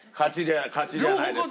勝ちじゃないですか？